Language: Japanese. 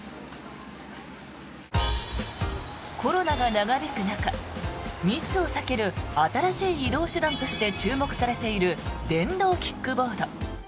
コロナが長引く中密を避ける新しい移動手段として注目されている電動キックボード。